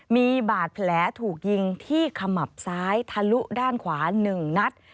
มีบาดแผลถูกยิงที่ขมับซ้ายทะลุด้านขวา๑นัด